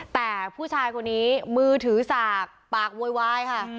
แต่ผู้ชายคนนี้มือถือสากปากโวยวายค่ะ